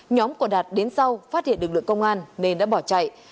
nhóm của đạt đến sau phát hiện lực lượng công an nên đã bỏ chạy